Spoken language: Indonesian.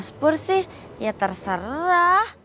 kalo mas pur sih ya terserah